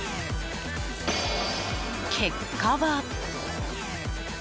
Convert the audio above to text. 結果は。